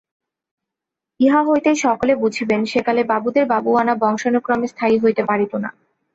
ইহা হইতেই সকলে বুঝিবেন সেকালে বাবুদের বাবুয়ানা বংশানুক্রমে স্থায়ী হইতে পারিত না।